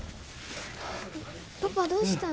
パパどうしたの？